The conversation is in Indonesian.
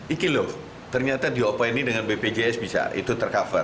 ini loh ternyata dioperasi dengan bpjs bisa itu tercover